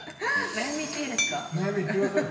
悩み言ってください。